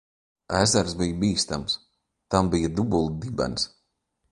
Ezers bija bīstams. Tam bija dubultdibens.